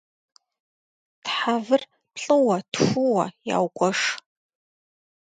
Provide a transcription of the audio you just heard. Тхьэвыр плӏыуэ-тхууэ ягуэш.